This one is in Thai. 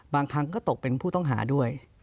บางครั้งก็ตกเป็นผู้ต้องหาด้วย